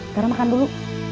sekarang makan dulu